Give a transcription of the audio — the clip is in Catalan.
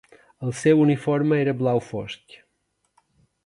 El seu uniforme era blau fosc.